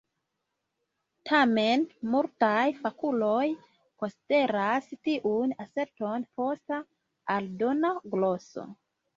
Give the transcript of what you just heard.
Tamen, multaj fakuloj konsideras tiun aserton posta aldona gloso.